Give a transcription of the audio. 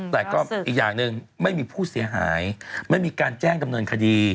แต่ก็อีกอย่างหนึ่งไม่มีผู้เสียหายไม่มีการแจ้งดำเนินคดี